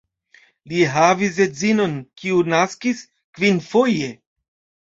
Li havis edzinon, kiu naskis kvinfoje.